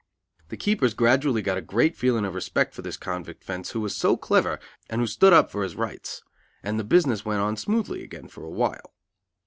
The keepers gradually got a great feeling of respect for this convict "fence" who was so clever and who stood up for his rights; and the business went on smoothly again, for a while.